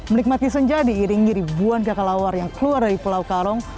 melikmati senja diiringi ribuan kakalawar yang keluar dari pulau kalong